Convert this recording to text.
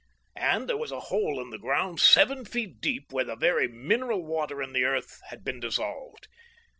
And there was a hole in the ground seven feet deep where the very mineral water in the earth had been dissolved.